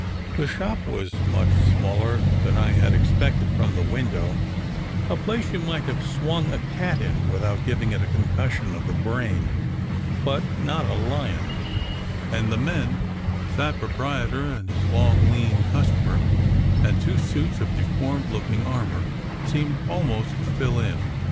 The shop was much smaller than I had expected from the window a place you might have swung a cat in without giving it concussion of the brain, but not a lion; and the men the fat proprietor and his long, lean customer, and two suits of deformed looking armour, seemed almost to fill it.